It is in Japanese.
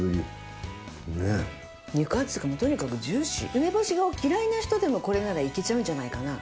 梅干しを嫌いな人でもこれならいけちゃうんじゃないかな？